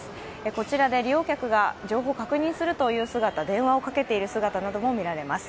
こちらで利用客が情報確認するという姿、電話をかけている姿なども見られます。